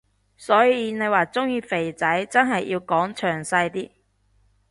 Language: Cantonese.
所以你話鍾意肥仔真係要講詳細啲